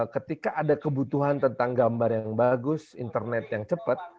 ketika ada kebutuhan tentang gambar yang bagus internet yang cepat